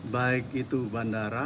baik itu balik ke bali baru